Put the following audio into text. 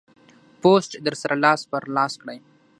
پوسټ در سره لاس پر لاس کړئ.